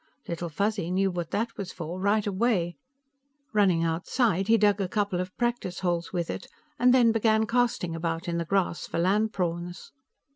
Little Fuzzy knew what that was for right away; running outside, he dug a couple of practice holes with it, and then began casting about in the grass for land prawns.